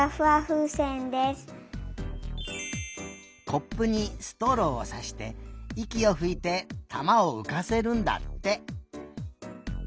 コップにストローをさしていきをふいて玉をうかせるんだって。